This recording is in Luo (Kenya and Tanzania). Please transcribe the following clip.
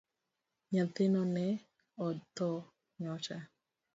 Nyathino ne otho nyocha